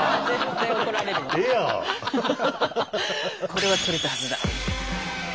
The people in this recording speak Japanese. これは取れたはずだ。